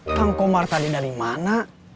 kang komar tadi dari mana